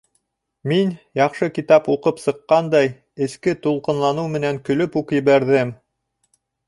Мин, яҡшы китап уҡып сыҡҡандай, эске тулҡынланыу менән көлөп үк ебәрҙем.